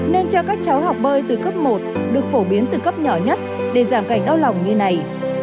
nên cho các cháu học bơi từ cấp một được phổ biến từ cấp nhỏ nhất để giảm cảnh đau lòng như này